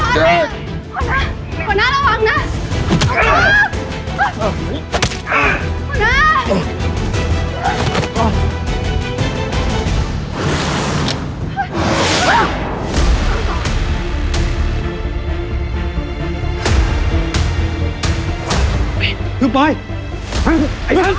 ข้อมูลข้อมูลระวังนะ